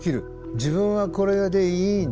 自分はこれでいいんだ。